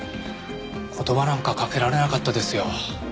言葉なんかかけられなかったですよ。